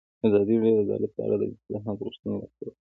ازادي راډیو د عدالت په اړه د اصلاحاتو غوښتنې راپور کړې.